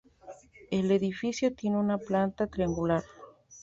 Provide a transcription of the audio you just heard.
El edificio tiene una planta triangular.